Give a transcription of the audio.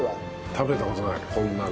食べた事ないこんなの。